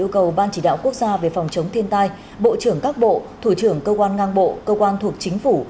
các quốc gia về phòng chống thiên tai bộ trưởng các bộ thủ trưởng cơ quan ngang bộ cơ quan thuộc chính phủ